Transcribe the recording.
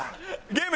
ゲーム？